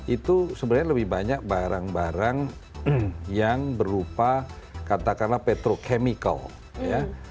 itu sebenarnya lebih banyak barang barang yang berupa katakanlah petrochemical ya